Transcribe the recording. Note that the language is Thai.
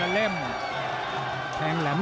ไล่ไปเร็วตีไปเร็วโต้ไปเร็ว